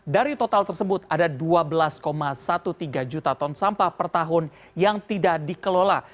dari total tersebut ada dua belas tiga belas juta ton sampah per tahun yang tidak dikelola